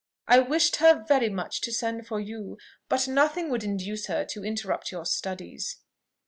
I wished her very much to send for you; but nothing would induce her to interrupt your studies."